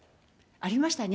ありましたね。